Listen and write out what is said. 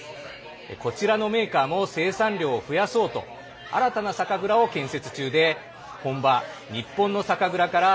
こちらのメーカーも生産量を増やそうと新たな酒蔵を建設中で本場、日本の酒蔵から